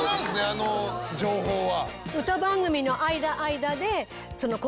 あの情報は。